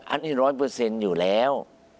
อันนี้ร้อยเปอร์เซ็นต์อยู่แล้ว